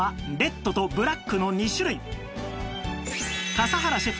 笠原シェフ